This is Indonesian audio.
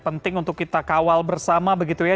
penting untuk kita kawal bersama begitu ya